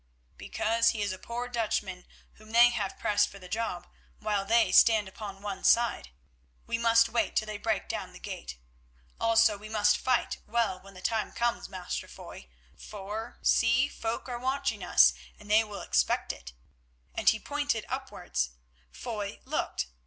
"Because he is a poor Dutchman whom they have pressed for the job, while they stand upon one side. We must wait till they break down the gate. Also we must fight well when the time comes, Master Foy, for, see, folk are watching us, and they will expect it," and he pointed upwards. Foy looked.